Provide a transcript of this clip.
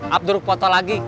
abduruk foto lagi